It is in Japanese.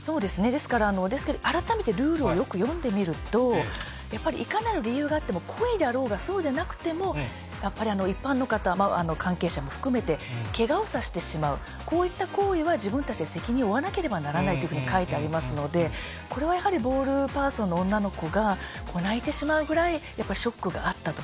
ですから、ですけど改めてルールをよく読んでみると、やっぱりいかなる理由があっても、故意だろうが、そうでなくても、やっぱり一般の方、関係者も含めてけがをさせてしまう、こういった行為は自分たちが責任を負わなければならないというふうに書いてありますので、これはやはりボールパーソンの女の子が泣いてしまうぐらいやっぱりショックがあったと。